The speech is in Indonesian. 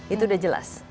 itu sudah jelas